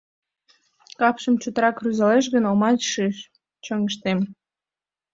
«Капшым чотрак рӱзалеш гын, омат шиж — чоҥештем.